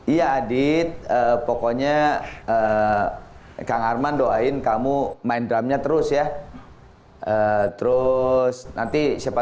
iya adit pokoknya kang arman doain kamu main drumnya terus ya terus nanti siapa